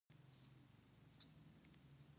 لوبیا ځمکه قوي کوي.